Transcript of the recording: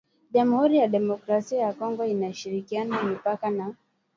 jamhuri ya Kidemokrasia ya Kongo inashirikiana mipaka na